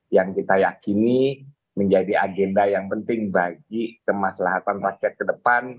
yang kita yakini menjadi agenda yang penting bagi kemaslahatan rakyat ke depan